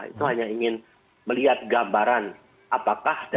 itu hanya ingin melihat gambaran apakah